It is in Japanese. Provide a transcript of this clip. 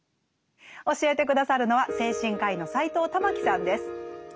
教えて下さるのは精神科医の斎藤環さんです。